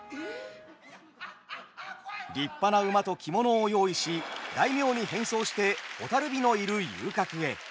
立派な馬と着物を用意し大名に変装して蛍火のいる遊郭へ。